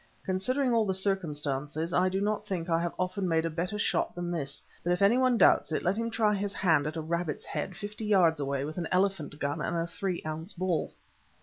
Considering all the circumstances I do not think I have often made a better shot than this, but if any one doubts, let him try his hand at a rabbit's head fifty yards away with an elephant gun and a three ounce ball.